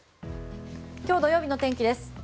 今日土曜日の天気です。